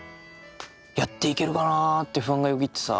やっていけるかなぁって不安がよぎってさ。